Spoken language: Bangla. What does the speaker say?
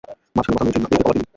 মাঝখানে বসা মেয়েটির বাবা তিনি।